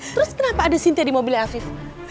terus kenapa ada sinti di mobilnya afif